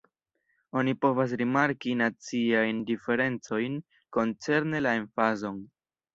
Oni povas rimarki naciajn diferencojn koncerne la emfazon.